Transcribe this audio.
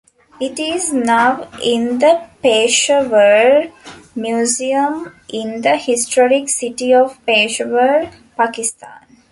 It is now in the Peshawar Museum in the historic city of Peshawar, Pakistan.